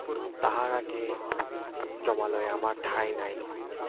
তাহার আগে যমালয়ে আমার ঠাঁই নাই।